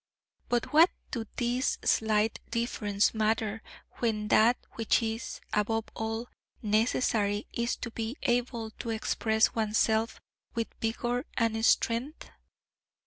But what do these slight differences matter when that which is, above all, necessary is to be able to express oneself with vigour and strength?